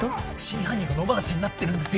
「真犯人が野放しになってるんですよ」